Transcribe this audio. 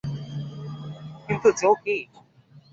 কিন্তু জো কী!